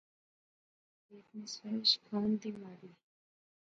کہ اتنی سفارش کھان دی مہاڑی؟